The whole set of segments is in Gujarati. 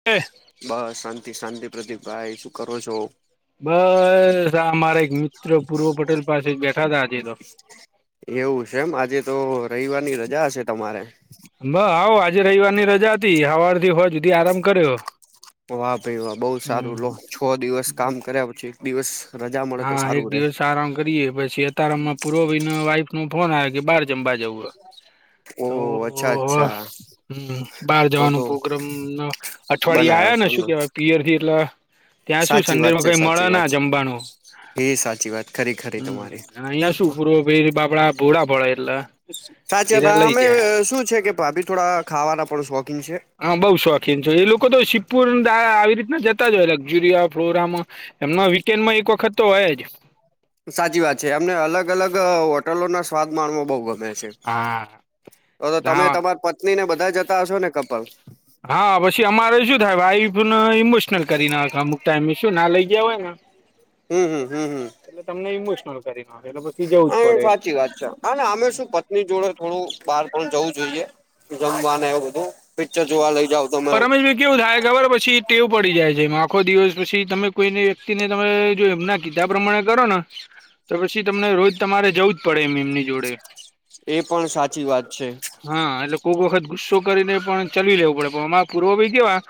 [unintelligible] બસ શાંતિ શાંતિ પ્રદીપભાઈ, શું કરો છો? બસ, આ મારા એક મિત્ર પૂર્વ પટેલ પાસે બેઠા તા આજે તો. એવું સ એમ! આજે તો, રવિવારની રજા હશે તમારે! [unintelligible] આવો, આજે રવિવારની રજા હતી, હવાર થી હોજ સુધી આરામ કર્યો વાહ ભાઈ વાહ બહુ હમ સારું લો, છ દિવસ કામ કર્યા પછી દિવસ, રજા મળે તો હા સારું રે. [unintelligible] કરીએ પછી અતારમાં પૂરો ભઈના વાઈફનો ફોન આયો કે બાર જમ્બા જવું. ઓહોહો, અચ્છા અચ્છા. હમ્મ, બાર તો જવાનું તો પોગ્રામના અઠવાડિયે બનાવ્યો છે આયાને, એમને શું કેવાય, પિયરથી એટલ ત્યાં શું, સાચી વાત સંડેમાં છે કઈ મળે સાચી વાત ના જમ્બાનું. એ સાચી વાત ખરી, ખરી તમારી. અને અહિયાં શું, પૂર્વભઈ બાપડા ભોળા પડે એટલે સાચી એરા લઈ જાય [unintelligible] શું છે કે ભાભી થોડા, ખાવાના પણ શોખીન છે. હા બઉ શોખીન છે. એ લોકો તો [unintelligible] આવી રીત ના જતા જ હોય લક્ઝુરિયા ફ્લોરામાં એમના વીકેન્ડમાં એક વખત તો હોય જ. સાચી વાત છે, એમને અલગ અલગ, હોટલોના સ્વાદ માણવો બઉ ગમે છે. હા તો તો તમે હા તમાર પત્ની ને બધા જતા હશો ને કપલ! હા પશી અમારે શું થાય, વાઇફ ન ઇમોશનલ કરી નાખ અમુક ટાઈમે શું ના લઇ ગયા હોય ને! હમહમ, હમહમ, એટલે તમને ઇમોશનલ કરી નાખે એટલે પછી જવું જ હા ઇ પડે એમ સાચી વાત છે. હા અને શું પત્ની જોડે થોડું બહાર પણ જવું જોઈએ જમવા ને એવું બધું. પિક્ચર જોવા લઈ જાવ તમે. પણ રમેશભાઈ કેવું થાય ખબર પછી ટેવ પડી જાય છે, એમાં આખો દિવસ પછી તમે કોઈને વ્યક્તિને તમે જો એમના. કીધા પ્રમાણે કરો ને તો પછી તમને રોજ તમારે જવું જ પડે એમ એમની જોડે. એ પણ સાચી વાત છે. હા એટલે કોક વખત ગુસ્સો કરીને પણ ચલવી લેવું પડે પણ અમારે પૂર્વ ભાઈ કેવા?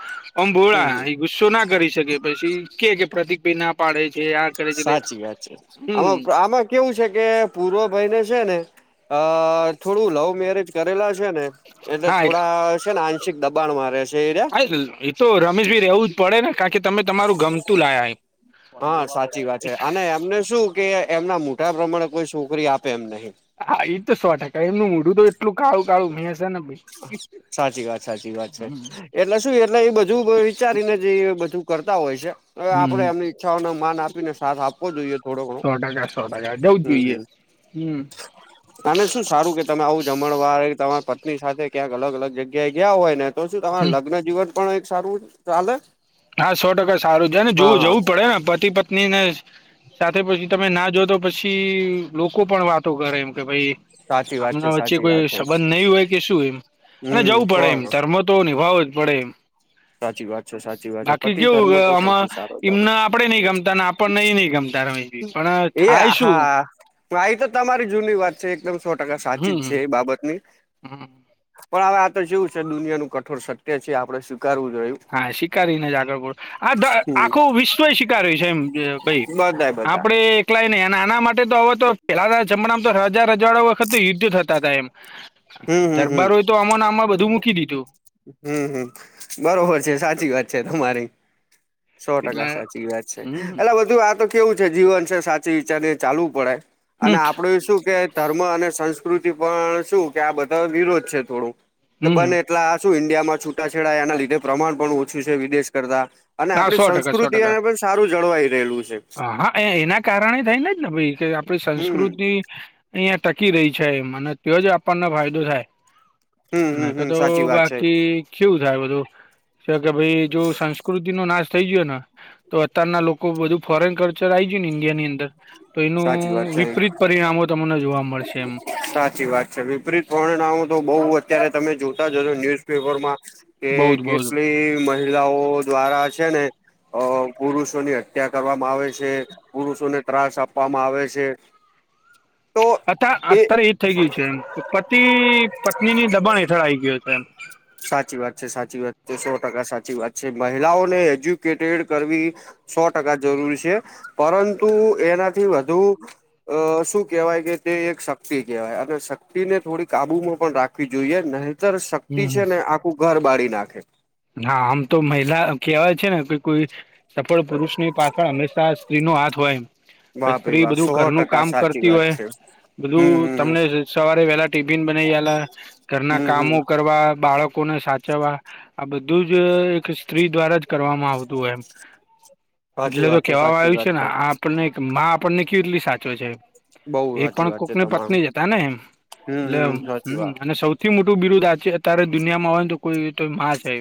આમ હમ ભોળા હમ એ ગુસ્સો ના કરી શકે પછી કે કે પ્રતિક ભાઈ ના પાડે છે. આ કરે છે એટલે સાચી વાતા છે હમ આમાં આમ કેવું છે કે પૂર્વ ભાઈને છે ને અ થોડું લવ મેરેજ કરેલા છે ને, એટલે હા થોડા છે, ને આંશિક દબાણમાં રહે છે. એ રહ્યા થાય છે એ તો રમેશ ભઈ રેવું જ, પડે ને કા કે તમે તમારું ગમતું લાયા, હા સાચી વાત છે અને એમને શું? કે એમના મોઢા પ્રમાણે કોઈ છોકરી આપે એમ નહી. હા એ તો સો ટકા એમનું મોઢું તો એટલું કાળું કાળું મેસ સેને સાચી વાત સાચી વાત છે. એટલે શું એટલે એ બધું. વિચારીને જ એ બધું કરતા હોય છે. હવે આપણે હમ એમની ઈચ્છાઓનો માન આપીને સાથ આપવો જોઈએ થોડો ઘણો સો ટકા સો ટકા જવું જ હમ હમ જોઈએ હમ. અને શું સારું કે તમે આવું જમણવાર તમાર પ ની સાથે ક્યાંક અલગ અલગ જગ્યાએ ગયા હોય ને તો શું તમાર હમ લગ્ન જીવન પણ એક સારું ચાલે. હા સો ટકા સારું છે ને હા જોવું હા જવું પડે ને પતિ પત્ની ને, સાથે પછી તમે ના જાવ તો પછી લોકો પણ વાતો કરે એમ કે ભઈ. સાચી વાત છે આમના વચ્ચે સાચી વાત કોઈ છે સંબંધ નહી હોય કે શું એમ અને હમ જવું સો પડે એમ ધર્મ. તો નિભાવવો જ પડે. સાચી વાત છે, સાચી વાત છે. બાકી પતિ ધર્મ કેવું તો આમાં સૌથી સારો ધર્મ એમને છે. આપડે નઈ ગમતા ને આપણને એ નઈ ગમતા રમેશભી પણ એ થાય શું હા એ તો તમારી જૂની વાત છે, એકદમ સો ટકા સાચી જ હમ છે એ બાબતની હમ પણ હવે આ તો જેવું છે દુનિયાનું કઠોર સત્ય છે આપણે સ્વીકારવું રહ્યું. હા સ્વીકારીને જ આગળ પણ આ હમ આખું વિશ્વ ય સ્વીકારાર્યું છે એમ ભઈ. બધાય બધા. કલાય નહી અને આના માટે તો હવે તો પેલાના જમાનામાં તો રાજા રજવાડા વખતે યુદ્ધ થતા હતા એમ. હમ હમ હમ દરબારોય તો આમા ન આમા બધું મૂકી દીધું. હમ હમ બરોબર છે સાચી વાત છે તમારી, સો એટલે ટકા સાચી વાત છે હમ એટલે બધું આ તો કેવું છે જીવન છે સાચવી વિચારીને ચાલવું પડે. અને હમ આપડું શું કે ધર્મ અને સંસ્કૃતિ પણ શું કે આ બધા વિરોધ છે થોડું. કે હમ બને એટલા શું ઇન્ડિયામાં છૂટાછેડા એના લીધે પ્રમાણ પણ ઓછું છે વિદેશ કરતા. અને હા આપણી સો ટકા સો ટકા સંસ્કૃતિ એને પણ સારું જળવાઈ રહેલું છે. હા એ એના કારણે થાય ને જ ને ભાઈ કે આપડી હમ સંસ્કૃતિ. અહિયાં ટકી રહી છે અને ત્યોં જ આપણને ફાયદો થાય. હમ ન હમ કે હમ તો સાચી વાત છે બાકી કેવું થાય બધું કે ભાઈ જો સં કૃતિનો નાશ. થઈ જયું ને તો અત્યારના લોકો બધું ફોરેન કલ્ચર આય ગ્યું ને ઇન્ડિયા અંદર. તો એનું સાચી વાત છે વિપરીત પરિણામો તમને જોવા મળશે એમ. સાચી વાત છે. [inaudible] [unintelligible] નામ તો બહુ અત્યારે તમે જોતા જશો ન્યુઝપેપર માં કે બહુ જ બહુ જ કેટલી મહિલાઓ દ્વારા છેને અહ પુરુષોની હત્યા કરવામાં આવે છે પુરુષોને ત્રાસ આપ વામાં આવે છે. તો અત્યાર એ અત્યારે એજ થઈ ગયું છે એમ પતિ પત્નીની દબાણ હેઠળ આ ગયો છે એમ. સાચી વાત છે સાચી વાત છે સો ટકા સાચી વાત છે મહિલાઓને એજ્યુકેટેડ કરવી સો ટકા જરૂરી છે પરંતુ એનાથી વધુ અહ શું કહેવાય કે તે એક શક્તિ કહેવાય અને શક્તિને થોડી કાબુમાં પણ રાખ ખી જોઈએ નહિતર શક્તિ હમ છે ને આખું ઘર બાળી નાખે. હા આમ તો મહિલા કહેવાય છે ને કે કોઈ સફળ પુરુષ ની પાછળ હંમેશા સ્ત્રી નો હાથ હોય. અહ વાહ ભાઈ સ્ત્રી વાહ બધું સો ઘરનું ટકા કામ સાચી કરતી વાત હોય છે હમ બધું હમ હમ તમને સવારે વેલા ટીફીન બનાવી આલે ઘરના હમ કામો હમ કરવા બાળકોને સાચ ચવા આ બધું જ એક સ્ત્રી દ્વારા જ કરવામાં આવતું હોય એમ. સાચી એટલે તો વાત છે કેવામાં સાચી આવ્યું છે વાત ને આ આપણને માં આપણને કેટલી સાચવે છે. બઉ એ સાચી પણ વાત છે કોકની તમારું પત્ની જ હતા ને એમ હમ હમ સાચી હું વાત અને સૌ સૌથી મોટું બિરુદ્ આથી અત્યારે દુનિયામાં હોય ને તો કોઈ તો માં છે.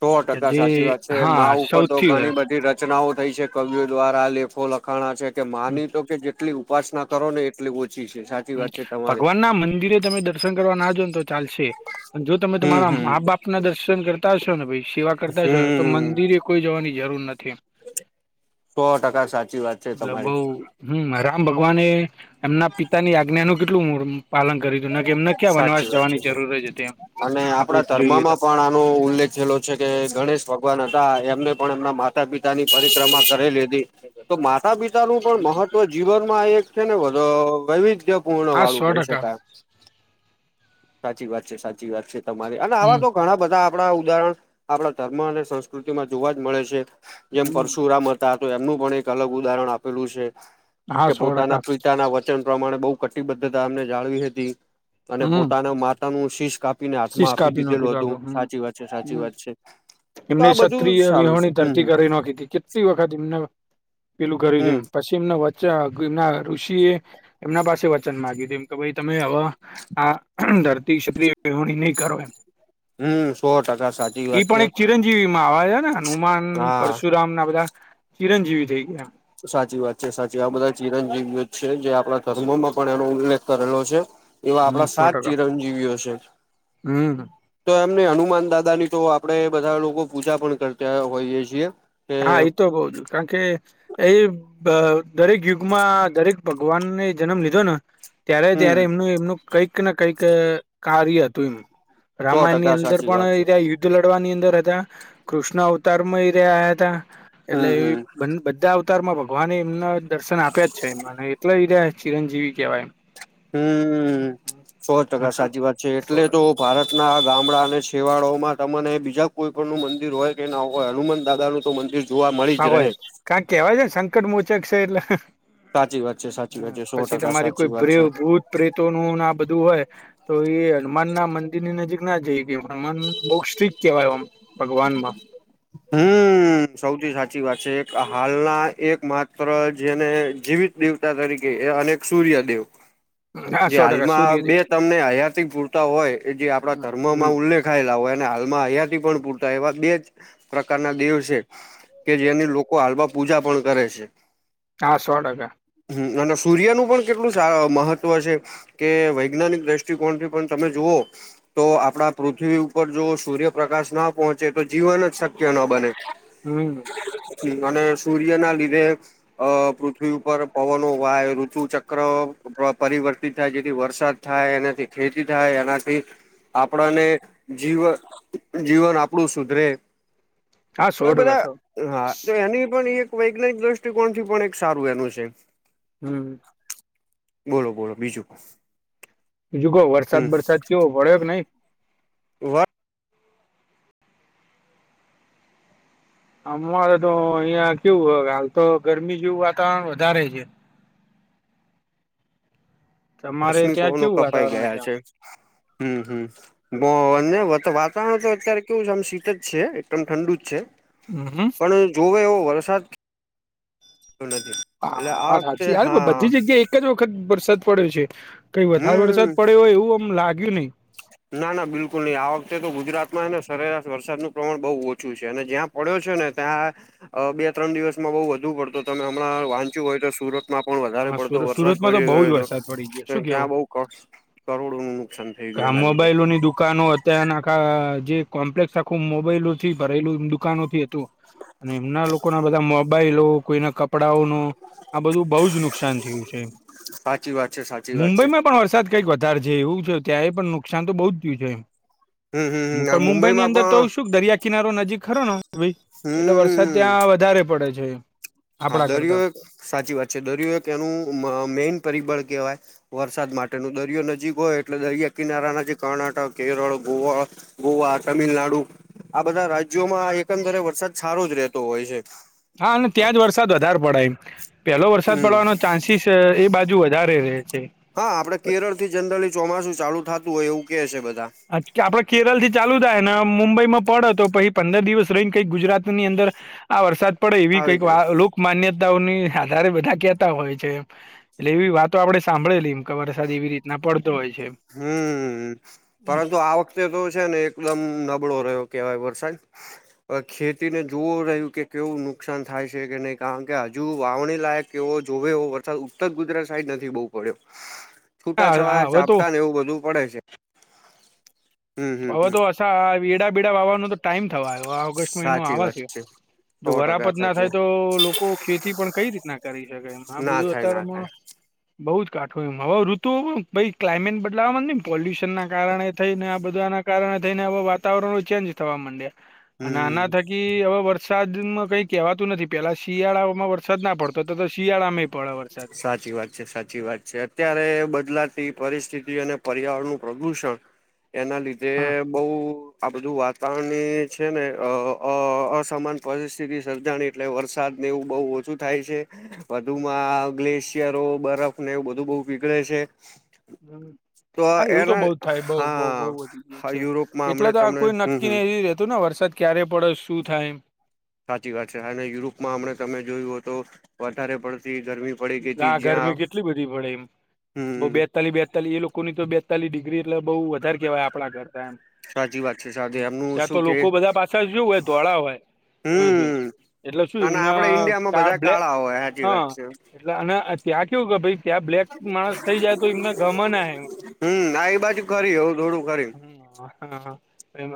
સો કે ટકા જે સાચી વાત છે હા માં ઉપર તો સૌથી ઘણી બધી ર ચનાઓ થઈ છે કવિઓ દ્વારા લેખો લખાણા છે કે માં હમ, ની તો કે જેટલી ઉપાસના કરો ને એટલી ઓછી છે. વાત છે તમારી ભગવાન ના મંદિરે તમે દર્શન કરવા નાજો ને તો ચાલશે પણ જો તમે હમ તમારા હમ માં બાપ પ ના દર્શન કરતા હશો ને ભી સેવા કરતા હશો તો હમ મંદિરે કોઈ જવાની જરૂર નથી એમ. સો ટકા સાચી વાત છે તમારી. હમ્મ રામ ભગવાન એ એમના પિતા ની આજ્ઞાનુ કેટલું પાલન કર્યું હતું કે એમને ક્યાં સાચી વનવાસ વાત છે જવાની જરૂર જ હતી એમ. અને આપડે આપડા જોઈએ ધર્મમાં તો પણ આનો ઉલ્લેખ જેટલો છે કે ગણેશ ભગવાન હતા એમને પણ એમના માતા પિતા ની પરિક્રમા કરી લીધી. તો માતા પિતા નું પણ મહત્વ જીવનમાં એક છે ને વધ વૈવિધ્ય પૂર્ણ હા વાળું સો કહી ટકા શકાય સાચી વાત છે સાચી વાત છે તમારી અને આવા હમ તો ઘણા બધા આપડા ઉદાહરણ આપડા ધર્મ અને સંસ્કૃતિમાં જોવા જ મળે છે જેમ હમ પરશુરામ હતા તો એમનું પણ એક અલગ ઉદાહરણ આપેલું છે. હા કે સો પોતાના ટકા પિતાના વચ ચ પ્રમાણે બહુ કટિબદ્ધતામને જાળવી હતી અને હમ પોતાના માતાનું શીશ કાપ પીને હાથ શીશ માં આપી કાપી નાખી તો આપડે દીધેલું હમ સાચી વાત છે સાચી હમ વાત છે. તો એમને આ બધું ક્ષત્રિય સારું છે વિહોણી ધરતી હમ કરી નાખી કેટલી વખત એમને પેલું કરી દે હમ એમ પછી એમના વચ્ચે આ એમના ઋષિ એ એમના પાસે વચન માંગ્યું એમ કે ભાઈ તમે હવે આ ધરતી ક્ષત્રિ પ હણી નહી કરો એમ. હમ્મ સો ટકા સાચી વાત છે. ચીવી માં આવે હે ને હનુમાન હા પરશુરામ ના બધા ચિરંજીવી થઈ ગયા. સાચી વાત છે સાચી આ બધા ચિરંજીવીઓ છે જે આપડા ધર્મોમાં પણ એનો ઉલ્લેખ કરેલો છે. એવા આપડા હમ સો સાત ટકા ચિરંજીવીઓ છે. હમ તો એમને હનુમાન દાદા ની તો આપડે બધા લોકો પૂજા પણ કરતા હોઈએ છીએ. કે હા એ તો કઉ છું કારણ કે એ બ અહ દરેક યુગમાં દરેક ભગવાનને જન્મ લીધો ને ત્યારે ત્યારે હમ એમનું એમનું કઈકને કંઈક કાર્ય હતુ સો રામાયણ ની ટકા અંદર સાચી પણ વાત છે આ યુ લડવાની અંદર હતા, કૃષ્ણ અવતાર મય રયા તા એટલે હમ હમ બધા આવ વિસ્તારમાં ભગવાને એમના દર્શન આપ્યા જ છેને એટલા બીજા ચિરંજીવી કેહેવાય. હમ્મ, હમ્મ, સો ટકા એમ સાચી વાત છે સો એટલે તો ટકા ભારતના આ ગામડા અને છેવાડા માં તમ ને બીજા કોઈ પણનું મંદિર હોય કે ના હોય હનુમાન દાદા નું તો મંદિર જોવા મળી હા જ હોય રહે. કારણ કેવાય છે ને સંકટ મોચેક છે એટલે. સાચી વાત છે હ સાચી વાત છે સો પછી ટકા તમારી સાચી કોઈ વાત ભ્રેવ છે. ભૂત પ્રેતો નું આ બધું હોય તો એ હનુમાન ના મ ની નજીક ના જઈ હગી મન બહ સ્ટ્રીક કેવાય આમ ભગવાન માં. હમ્મ. સૌથી સાચી વાત છે એક હાલના એક માત્ર જેને જીવિત દેવતા તરીકે એ અને એક સૂર્ય દેવ. હા જે સો ટકા હાલમાં બે સૂર્યદેવ તમને હયાતી પૂરતા હોય એ જે આપણા હમ ધર્મમાં ઉલ્લેખ દખાયેલા હોય અને હાલમાં હયાથી પણ પૂરતા એવા બે જ પ્રકારના દેવ છે. કે જેની લોકો હાલવા પૂજા પણ કરે છે. કા સો ટકા. અને સૂર્યનું પણ કેટલું સા મહત્ત્વ છે. કે વૈજ્ઞાનિક દ્રષ્ટિકોણથી પણ તમે જુઓ તો આપણા પૃથ્વી ઉપર જો સૂર્યપ્રકાશ ના પહોંચે તો જીવન જ શક્ય ના બને. હમ અને સૂર્ય ના લીધે અ પૃથ્વી ઉપર પવનો વાય, ઋતુ ચક્ર પરિવર્તિત થાય જેથી વરસાદ થાય એનાથી ખેતી થાય એનાથી આપણાને જીવ જીવન આપ કડું સુધરે હા તો સો ટકા બધા સો હા તો એની પણ એક વૈજ્ઞાનિક દ્રષ્ટિકોણ થી પણ એક સારું એનું છે. હમ્મ. બોલો બોલો બીજું. રુકો હમ વરસાદ બરસાદ કેવો પડ્યો કે નઈ? વાહ. અમારે તો અહિયાં કેવું હાલ તો ગરમી જેવું વાતાવરણ વધારે છે. તમારે રશ્મિ ત્યાં કોનો કેવું કપાઈ વાતાવરણ ગયા છે, હમ્મ, હમ્મ. બ વાતાવરણ તો અત્યારે કેવું છે આમ શીત જ છે એકદમ ઠંડુ જ છે. હમ્મ હ. પણ જોવે એવો વરસાદ પણ નથી. એટલે હા આ હા વખતે સાચી વાત કે હા બધી જગ્યાએ એક જ વખત વરસાદ પડ્યો છે. કઈ વધારે વરસાદ હમ પડ્યો હોય એવું આમ લાગ્યું નહી. ના ના બિલકુલ નહીં આ વખતે તો ગુજરાતમાં ને સરેરાશ વરસાદનું પ્રમાણ બહુ ઓછું છે અને જ્યાં પડ્યો છે ને ત્યાં બે ત્રણ દિવસમાં બઉ વધુ પડતો તો ને હમણાં વાંચ્યું હોય તો સુરત માં પણ વધારે હા સુર પડતો વરસાદ સુરતમાં તો પડી બહુ જ ગયો વરસાદ પડી ગયો હતો શું ક્યાં કેવું? બહુ ક કરોડો નું નુકસાન થઈ ગયું ગા એના લીધે મોબાઈલો ની દુકાનો હતા અને આખા જે કોમ્પ્લેક્સ આખું મોબાઈલો થી ભરેલું દુકાનો થી તો અને એમના લોકોના બધા મોબાઈલો, કોઈના કપડાઓનો આ બધું બઉ જ નુ નુકસાન થયું છે એમ. સાચી વાત છે સાચી વાત છે મુંબઈમાં પણ વરસાદ કંઈક વધારે છે એવું છે. ત્યા એ પણ નુકસાન તો બહુ જ થયું છે એમ. હમ હમ હમ આ પણ મુંબઈની મુંબઈમાં અંદર તો પણ શું દરિયા કિનારો નજીક ખરો ને ભાઈ એટલે વરસાદ હમ ત્યાં વધારે પડે છે એમ. હા દરિયો એક સાચી વાત છે. દરિયો એક એનું મેઈન પરિબળ કહેવાય. વરસાદ માટેનું. દરિયો નજીક હોય એટલે દરિયા કિનારાના જે કર્ણાટક, કેરળ, ગોવા. ગોવા, તમિલનાડુ. આ બધા રાજ્યોમાં એકંદરે વરસાદ સારો જ રહેતો હોય છે. હા અને ત્યાં જ વરસાદ વધારે પડે એમ. પેલો વરસાદ હમ પડવાનો ચાન્સીસ એ બાજુ વધારે રહે છે. હા આપડે કેરળથી જનરલી ચોમાસું ચાલુ થતું હોય એવું કે છે બધા. કે આપડે કેરળથી ચાલુ થાય ને મુંબઈ માં પડ તો પછી પંદર દિવસ રહીને કઈક ગુજરાતની અંદર આ વરસાદ પડે એવી આવી કંઈક જાય લોકમાન્યતાઓની આધારે બધા કેતા હોય છે એમ. એટલે એવી વાતો આપણે સાંભળેલી એમ. કે વરસાદ એવી રીતના પડતો હોય છે એમ. હમ પરંતુ આ વખતે તો છે ને એકદમ નબળો રહ્યો. કેવાય વરસાદ. ખેતીને જોવું રહ્યું કે કેવું નુકસાન થાય છે કે નહી કારણ કે હજુ વાવણી લાયક કેવો જોવે એવો વરસાદ ઉત્તર ગુજરાત સાઈડ નથી બહુ પડ્યો. છૂટા હા હા, છવાયા હવે તો જાપતા ને એવું બધું પડે છે. હમ હમ હવે હમ તો આ વરસાદ એડાબેડા વાવવાનો તો ટાઈમ થવા આવ્યો. ઓગસ્ટ મહિનો સાચી આવે વાત છે. જો સો ટકા વરાપદ ના સાચી થાય તો લોકો ખેતી પણ કઈ રીતના કરી શકે. આ ના બધું થાય ના અત્યારેમાં થાય બઉ જ કાઠું એમ. હવે ઋતુ ભઈ ક્લામેટ બદલાવા ના પોલ્યુશન ના કારણે થઈ ને આ બધ બધું આના કારણે થઈને હવે વાતાવરણ ચેન્જ થવા માંડ્યા. અને આના હમ થકી હવે વર વરસાદમાં કઈ કહેવાતું નથી. પેલા શિયાળામાં વરસાદ ના પડતો હતો તો શિયાળામાં પડે વરસાદ. સાચી વાત છે સાચી વાત. છે. અત્યારે બદલાતી પરિસ્થિતિ અને પર્યાવરણનું પ્રદુષણ એના લીધ ધે હા બઉ આ બધું વાતાવરણની છે ને અ અ અસામાન પરિસ્થિતિ સર્જાણી એટલે વરસાદને એવું બહુ ઓછું થાય છે. વધ વધુમાં ગ્લેશિયરો, બરફ ને એવું બધું બહુ પીગળે છે. હમ તો હા એવું તો એના બઉ થાય બઉ બઉ હા વધી ગયું હા છે. યુરોપમાં એટલે હમણે તો આ તમને કોઈ હમ નક્કી હમ નહીં રેતું ને વરસાદ ક્યારે પડે, શું થાય એમ. સાચી વાત છે. અને યુરોપમાં હમણાં તમે જોયું હો તો વધારે પડતી ગરમી પડી ગઈ હતી લા જ્યાં ગરમી કેટલી બધી પડે એમ. બઉ બે હમ બેતાલી બેતાલી એ લોકોની તો બેતાલી ડિગ્રી એટલે બહુ વધારે કેહેવાય આપણા કરતાં એમ. સાચી વાત છે સાથે હમ એમનું ત્યાં તો શું કે લોકો બધા પાછા શું હોય ધોળા હોય. એવું છે. હમ એટલે શું અને એમના આપડે ઈન્ડિયામાં કાળ બધા બ્લે કાળા હોય સાચી હા વાત છે. એટલે અને ત્યાં કેવું કે ભાઈ ત્યાં બ્લેક માણસ થઇ જાય તો એમને ગમ ના એમ. હમ હા એ બાજુ ખરી એવું થોડું ખરી. હમ હા હા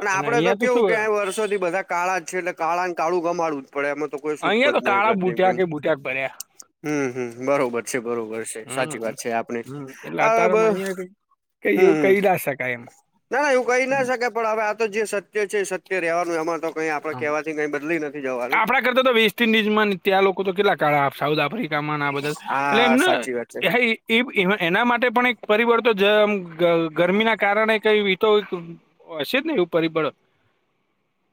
અને આપડે તો કેવું કે અહીં વર્ષોથી બધા કાળા જ છે. એટલે કાળાને કાળું ગમાડવું જ પડે એમાં તો કોઈ છૂટકો અહિયાં જ તો કાળા બુટ્યા નહીં. કે બુટ્યા ભર્યા [inaudible] હમ હમ બરોબર છે બરોબર છે સાચી હમ વાત છે. આપણે હમ એટલે આ બ અતારમાં અહિયાં કઈ હમ એવું હમ. કહી ના શકાય એમ ના ના એવું કઈ ના હમ શકે. પણ હવે આ તો જે સત્ય છે એ સત્ય રેવાનું એમાં તો કઈ આપણા કહેવાથી કઈ બદલી નથી જવાનું આપડા કરતા તો વેસ્ટ ઇન્ડઝ માં ત્યાં લોકો તો કેટલા કાળા સાઉથ આફ્રિકા આ એમના બધે લે હા સાચી વાત છે એમ [inaudible] એ એના માટે પણ એક પરિવર્તન ગરમીના કારણે કઈ તો- હશે જ ને એવા પરિબળો?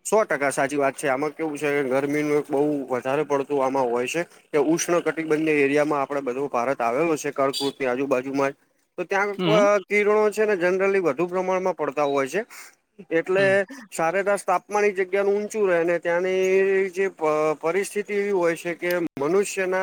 સો ટકા સાચી વાત છે આમાં કેવું છે ગરમીનું બહુ વધારે પડતું આમાં હોય છે. કે ઉષ્ણ કટિબંધને એરિયામાં આપણે બધે ભારત આવેલો છે કરળકુટ ની આજુબાજુમાં જ- તો ત્યાં હમ કિરણો છે ને જનરલી વધુ પ્રમાણમાં પડતા હોય છે એટલે. હમ સરેરાસ તાપમાન મારી જગ્યાનું ઊંચું રહેને ત્યાંની જે પરિસ્થિતિ એવી હોય છે કે મનુષ્યના